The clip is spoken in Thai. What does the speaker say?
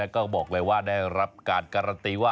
โปรดไว้ว่าได้รับการกรัสตรีว่า